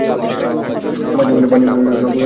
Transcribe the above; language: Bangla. পাঞ্জাবী নামে হলেও করাচী থেকে এসেছেন তিনি।